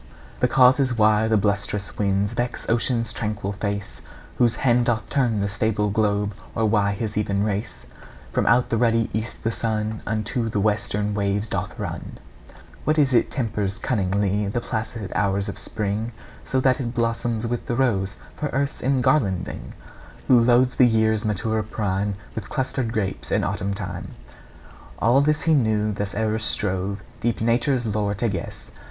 The causes why the blusterous winds Vex ocean's tranquil face, Whose hand doth turn the stable globe, Or why his even race From out the ruddy east the sun Unto the western waves doth run: What is it tempers cunningly The placid hours of spring, So that it blossoms with the rose For earth's engarlanding: Who loads the year's maturer prime With clustered grapes in autumn time: All this he knew thus ever strove Deep Nature's lore to guess.